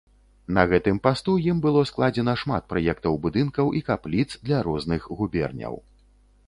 На гэтым пасту ім было складзена шмат праектаў будынкаў і капліц для розных губерняў.